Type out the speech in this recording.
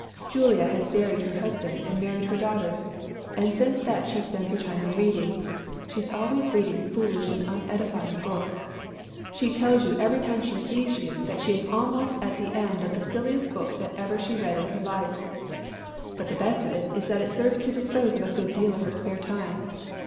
"Julia has buried her husband and married her daughters, and since that she spends her time in reading. She is always reading foolish and unedifying books. She tells you every time she sees you that she is almost at the end of the silliest book that ever she read in her life. But the best of it is that it serves to dispose of a good deal of her spare time.